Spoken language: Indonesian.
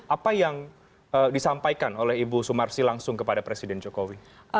apa yang disampaikan oleh ibu sumarsi langsung kepada presiden jokowi